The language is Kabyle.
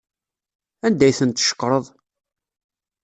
Anda ay tent-tceqreḍ?